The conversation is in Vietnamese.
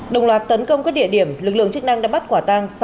đồng loạt tấn công các địa điểm lực lượng chức năng đã bắt quả tang